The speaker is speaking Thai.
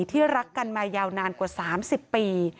ที่รักกันมายาวนานกว่า๓๐ปี